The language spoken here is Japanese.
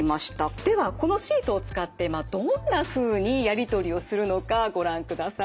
ではこのシートを使ってどんなふうにやり取りをするのかご覧ください。